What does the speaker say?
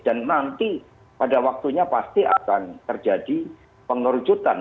dan nanti pada waktunya pasti akan terjadi pengerjutan